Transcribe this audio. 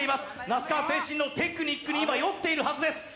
那須川天心のテクニックに今酔っているはずです。